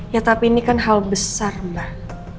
ya tapi ini kan hal besar mbak